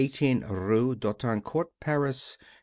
18 rue d'Autancourt, Paris.